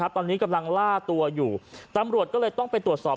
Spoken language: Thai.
ตอนนี้กำลังล่าตัวอยู่ตำรวจก็เลยต้องไปตรวจสอบ